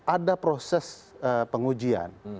ada proses pengujian